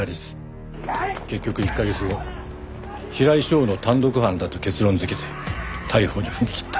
結局１カ月後平井翔の単独犯だと結論づけて逮捕に踏み切った。